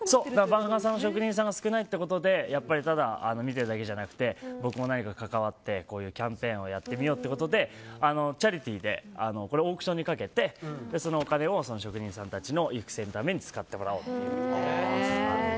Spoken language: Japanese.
番傘の職人が少ないってことでただ見てるだけじゃなくて僕も関わってキャンペーンをやってみようということでチャリティーでこれはオークションにかけてそのお金を職人さんたちの育成のために使ってもらおうと。